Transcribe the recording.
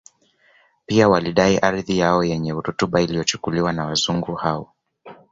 Pia walidai ardhi yao yenye rutuba iliyochukuliwa na Wazungu hao